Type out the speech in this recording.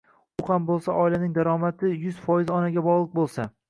u ham bo‘lsa oilaning daromadi yuz foizi onaga bog‘liq bo‘lsa.